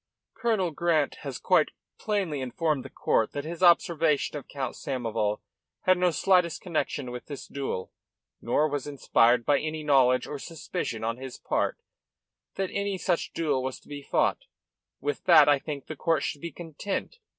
"Colonel Grant has quite plainly informed the court that his observation of Count Samoval had no slightest connection with this duel, nor was inspired by any knowledge or suspicion on his part that any such duel was to be fought. With that I think the court should be content.